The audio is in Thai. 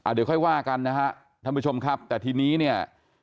เดี๋ยวค่อยว่ากันนะฮะท่านผู้ชมครับแต่ทีนี้เนี่ย